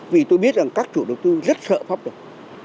vì tôi biết rằng các chủ đầu tư rất sợ phóc được